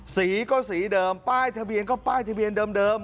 สีก็สีเดิมป้ายทะเบียนก็ป้ายทะเบียนเดิม